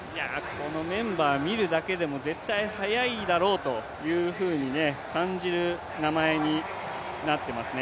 このメンバー見るだけでも速いだろうと感じる名前になっていますね。